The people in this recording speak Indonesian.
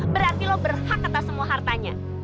berarti lo berhak atas semua hartanya